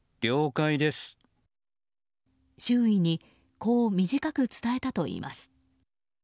周囲にこう短く伝えたといいます。